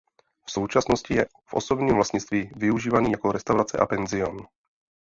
V současnosti je v osobním vlastnictví využívaný jako restaurace a penzion.